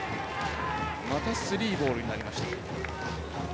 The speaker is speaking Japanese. またスリーボールになりました。